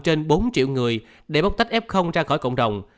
trên bốn triệu người để bóc tách f ra khỏi cộng đồng